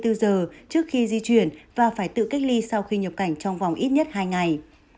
trước khi di chuyển và phải tự cách ly sau khi nhập cảnh trong vòng ít nhất hai ngày